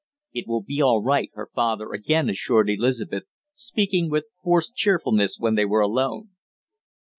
"It will be all right," her father again assured Elizabeth, speaking with forced cheerfulness when they were alone.